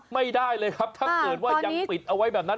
ไม่ได้เลยครับถ้าเกิดว่ายังปิดเอาไว้แบบนั้น